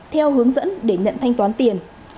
theo hướng dẫn để nhận thanh toán tiền